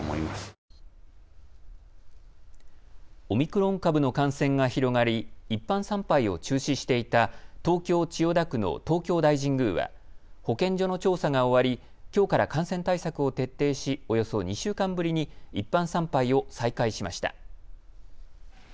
オミクロン株の感染が広がり一般参拝を中止していた東京千代田区の東京大神宮は保健所の調査が終わりきょうから感染対策を徹底しおよそ２週間ぶりに一般参拝を再開しました。